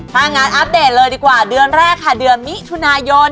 ถ้างั้นอัปเดตเลยดีกว่าเดือนแรกค่ะเดือนมิถุนายน